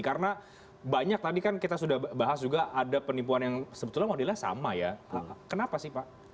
karena banyak tadi kan kita sudah bahas juga ada penipuan yang sebetulnya modelnya sama ya kenapa sih pak